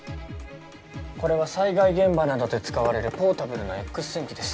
これは災害現場などで使われるポータブルのエックス線機です。